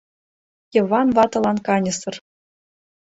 Йыван ватылан каньысыр.